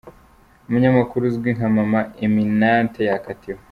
Umunyamakuru uzwi nka Mama Emminente yakatiwe .